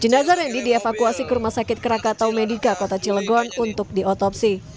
jenazah medi dievakuasi ke rumah sakit krakatau medika kota cilegon untuk diotopsi